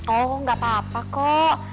oh kok gak apa apa kok